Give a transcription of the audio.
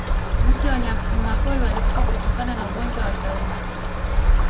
Nusu ya wanyamapori walikufa kutokana na ugonjwa wa tauni